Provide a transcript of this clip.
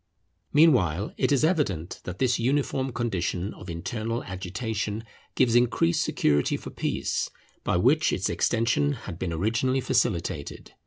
Meanwhile it is evident that this uniform condition of internal agitation gives increased security for peace, by which its extension had been originally facilitated.